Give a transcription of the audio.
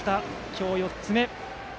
今日、４つ目。